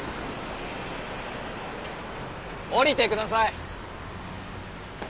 降りてください！